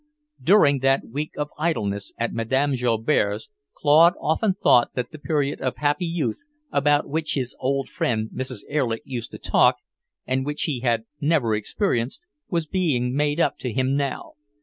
During that week of idleness at Madame Joubert's, Claude often thought that the period of happy "youth," about which his old friend Mrs. Erlich used to talk, and which he had never experienced, was being made up to him now.